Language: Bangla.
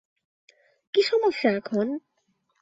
কি সমস্যা এখন?